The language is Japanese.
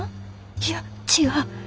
いや違う。